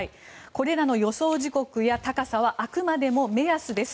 これらの予想時刻や高さはあくまでも目安です。